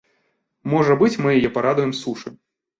Можа быць, мы яе парадуем сушы.